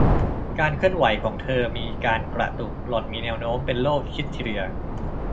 การเคลื่อนไหวของเธอมีการกระตุก หล่อนมีแนวโน้มเป็นโรคฮิสทีเรีย